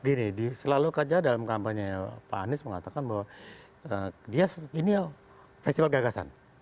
gini selalu saja dalam kampanye pak anies mengatakan bahwa dia ini festival gagasan